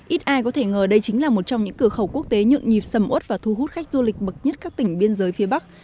ít ai có thể ngờ đây chính là một trong những cửa khẩu quốc tế nhượng nhịp sầm ốt và thu hút khách du lịch bậc nhất các tỉnh biên giới phía bắc